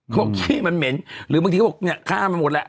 ขี้มันเหม็นหรือบางทีเขาบอกเนี่ยฆ่ามันหมดแล้ว